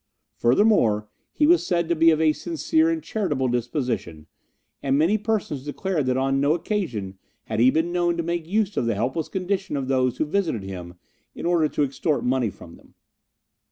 Furthermore, he was said to be of a sincere and charitable disposition, and many persons declared that on no occasion had he been known to make use of the helpless condition of those who visited him in order to extort money from them.